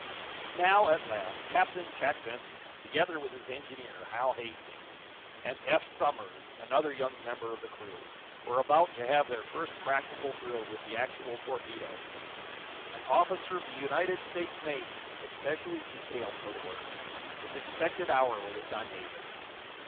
Now, at last, Captain Jack Benson, together with his engineer, Hal Hastings, and Eph Somers, another young member of the crew, were about to have their first practical drill with the actual torpedo. An officer of the United States Navy, especially detailed for the work, was expected hourly at Dunhaven.